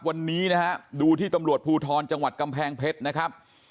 วันนี้นะฮะดูที่ตำรวจภูทรจังหวัดกำแพงเพชรนะครับ